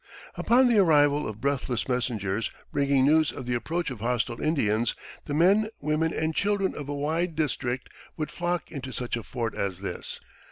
Upon the arrival of breathless messengers bringing news of the approach of hostile Indians, the men, women, and children of a wide district would flock into such a fort as this.